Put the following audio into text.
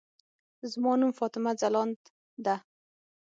زما نوم فاطمه ځلاند ده.